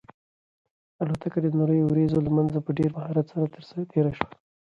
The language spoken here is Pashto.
الوتکه د نريو وريځو له منځه په ډېر مهارت سره تېره شوه.